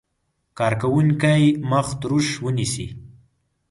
کارکوونکی مخ تروش ونیسي.